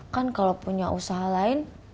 kan kalau punya usaha lain